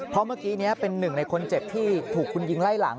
เพราะเมื่อกี้นี้เป็นหนึ่งในคนเจ็บที่ถูกคุณยิงไล่หลัง